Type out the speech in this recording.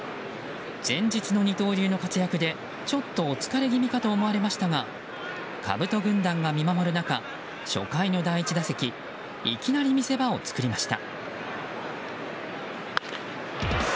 前日の二刀流の活躍でちょっとお疲れ気味かと思われましたがかぶと軍団が見守る中初回の第１打席いきなり見せ場を作りました。